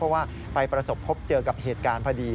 เพราะว่าไปประสบพบเจอกับเหตุการณ์พอดี